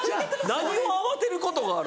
何を慌てることがある？